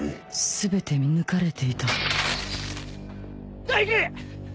全て見抜かれていた大樹！